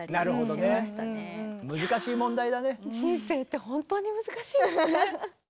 人生って本当に難しいですね。